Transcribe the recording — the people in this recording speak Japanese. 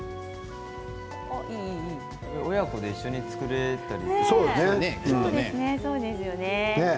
親子で一緒に作れたりしますね。